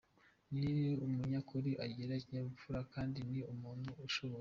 Ni umunyakuri, agira ikinyabupfura kandi ni umuntu ushoboye.